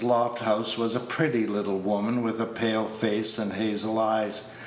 Lofthouse was a pretty little woman, with a pale face and hazel eyes.